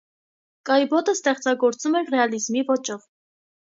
Կայբոտը ստեղծագործում էր ռեալիզմի ոճով։